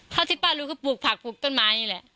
ที่ป้ารู้คือปลูกผักปลูกต้นไม้นี่แหละ